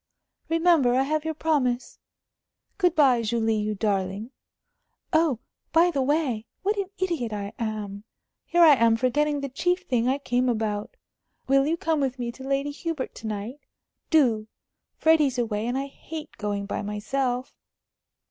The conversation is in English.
"Remember, I have your promise. Good bye, Julie, you darling!... Oh, by the way, what an idiot I am! Here am I forgetting the chief thing I came about. Will you come with me to Lady Hubert to night? Do! Freddie's away, and I hate going by myself."